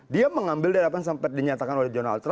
dia mengambil darapan sampai dinyatakan oleh jurnal trump